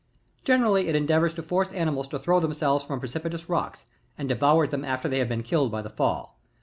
Generally it endeavours to force animds to throw themselves from precipitous rocks, and devours them after they have been killed by the fall.